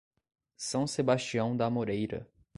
São Sebastião da Amoreira